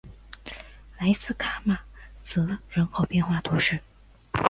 莱斯卡马泽人口变化图示